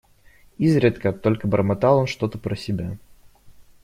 Изредка только бормотал он что-то про себя.